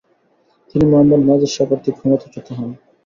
তিনি মুহাম্মদ নাদির শাহ কর্তৃক ক্ষমতাচ্যুত হন।